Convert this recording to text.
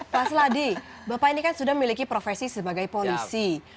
pak sladi bapak ini kan sudah memiliki profesi sebagai polisi